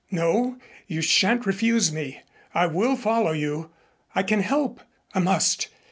No, you sha'n't refuse me. I will follow you. I can help. I must.